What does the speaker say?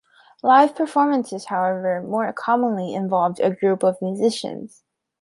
Live performances, however, more commonly involved a group of musicians.